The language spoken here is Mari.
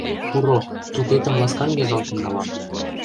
Пуро, тупетым ласкан йыгалтен налам.